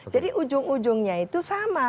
jadi ujung ujungnya itu sama